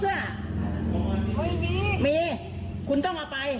จะเอาอะไร